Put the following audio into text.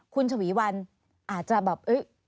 คุณฉวีวันอาจจะแบบ